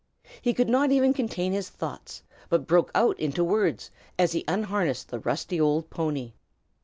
He could not even contain his thoughts, but broke out into words, as he unharnessed the rusty old pony.